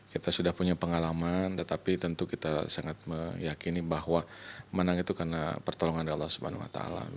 kita sudah punya pengalaman tetapi tentu kita sangat meyakini bahwa menang itu karena pertolongan allah swt